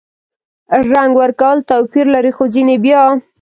رنګ ورکول توپیر لري – خو ځینې بیا